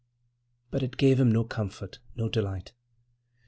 < 3 > But it gave him no comfort, no delight.